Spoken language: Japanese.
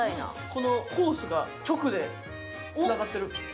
このホースが直で、つながってる。